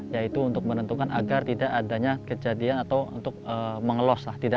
yaitu untuk menentukan agar tidak adanya kejadian atau untuk mengelos